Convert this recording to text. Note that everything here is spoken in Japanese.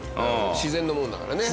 自然のものだからね。